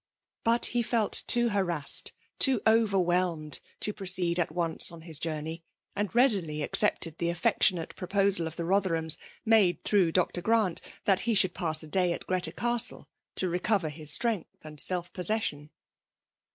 But he fdit too harassed, too overwhelmed, to pi*oceed at once on his journey ; and readily accepted the affec^ tionate proposal of the Eotherhams, made through Dr. Grant, that he should pass a day at Greta Castle, to recover liis strength and self possession.